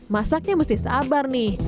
masaknya mesti sabar nih